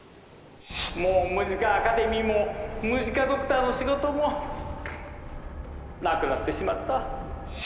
もうムジカ・アカデミーもムジカ・ドクターの仕事もなくなってしまった。